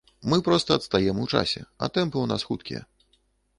Мы проста адстаем у часе, а тэмпы ў нас хуткія.